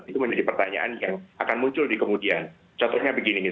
itu menjadi pertanyaan yang akan muncul di kemudian